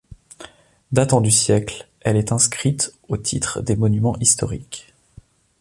Datant du siècle, elle est inscrite au titre des Monuments historiques.